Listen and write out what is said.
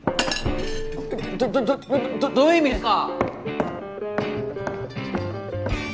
どどどどういう意味ですか！？